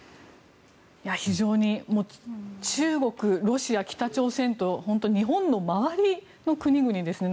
非常に中国、ロシア、北朝鮮と本当、日本の周りの国々ですね。